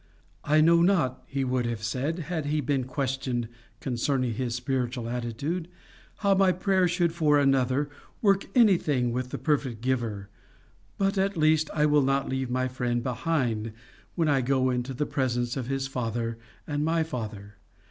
"I know not," he would have said, had he been questioned concerning his spiritual attitude, "how my prayer should for another work anything with the perfect Giver, but at least I will not leave my friend behind when I go into the presence of his Father and my Father.